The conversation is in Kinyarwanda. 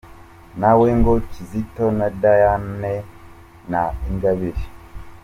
Nawe ngo Kizito na Diane na Ingabire.